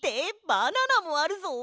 バナナもあるぞ。